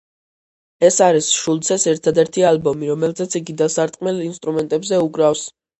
ეს არის შულცეს ერთადერთი ალბომი, რომელზეც იგი დასარტყმელ ინსტრუმენტებზე უკრავს.